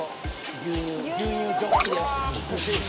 牛乳ジョッキで。